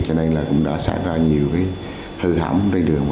cho nên là cũng đã xảy ra nhiều hư hỏng trên đường